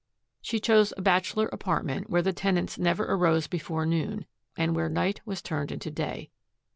She chose a bachelor apartment where the tenants never arose before noon and where night was turned into day.